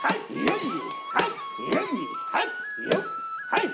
はい！